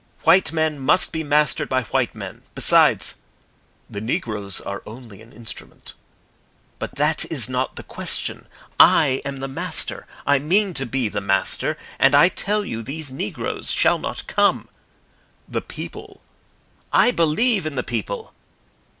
"White men must be mastered by white men. Besides " "The negroes are only an instrument." "But that is not the question. I am the Master. I mean to be the Master. And I tell you these negroes shall not come." "The people " "I believe in the people."